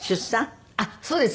あっそうです。